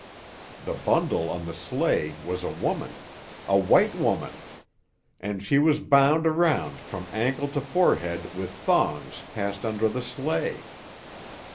The bundle on the sleigh was a woman—a white woman! And she was bound around from ankle to forehead with thongs passed under the sleigh.